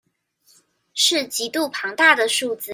是極度龐大的數字